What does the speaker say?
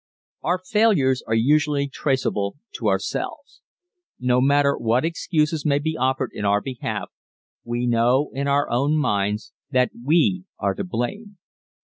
Our failures are usually traceable to ourselves. No matter what excuses may be offered in our behalf we know in our own minds that we are to blame.